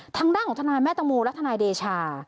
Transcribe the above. ทางด้านของทนายแม่ตะโมและทนายเดชา